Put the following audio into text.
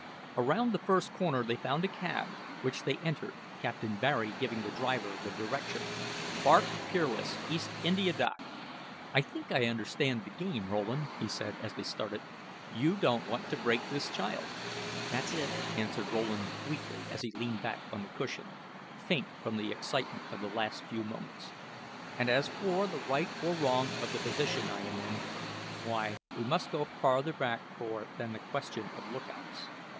Around the first corner they found a cab, which they entered, Captain Barry giving the driver the direction "Bark Peerless, East India Dock." "I think I understand the game, Rowland," he said, as they started; "you don't want to break this child." "That's it," answered Rowland, weakly, as he leaned back on the cushion, faint from the excitement of the last few moments. "And as for the right or wrong of the position I am in why, we must go farther back for it than the question of lookouts.